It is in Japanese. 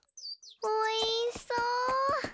おいしそう！